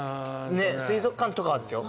水族館とかはですよ。